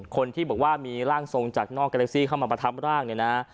คนที่บอกว่ามีร่างทรงจากนอกการแท็กซี่เข้ามาประทับร่างเนี่ยนะ